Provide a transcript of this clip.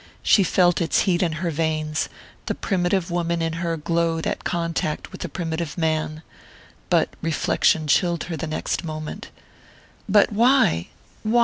She felt its heat in her veins the primitive woman in her glowed at contact with the primitive man. But reflection chilled her the next moment. "But why why?